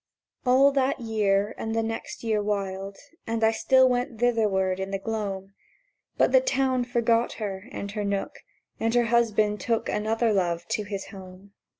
All that year and the next year whiled, And I still went thitherward in the gloam; But the Town forgot her and her nook, And her husband took Another Love to his home.